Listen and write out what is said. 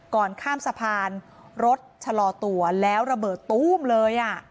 ก่อนข้ามสะพานรถชะลอตัวแล้วระเบิดตู้มเลย